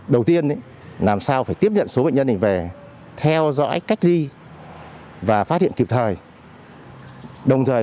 đầu tiên làm sao phải tiếp nhận số bệnh nhân về theo dõi cách ly và phát hiện kịp thời đồng thời